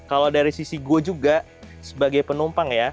kalau dari sisi gue juga sebagai penumpang ya